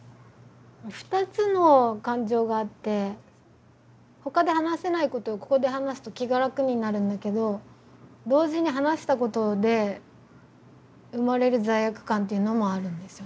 ２つの感情があってほかで話せないことをここで話すと気が楽になるんだけど同時に話したことで生まれる罪悪感っていうのもあるんですよね。